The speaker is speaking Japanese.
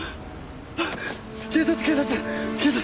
警察警察警察。